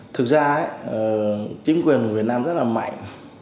thực ra chính quyền việt nam rất là mạnh